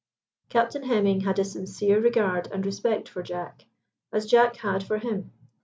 Captain Hemming had a sincere regard and respect for Jack, as Jack had for him.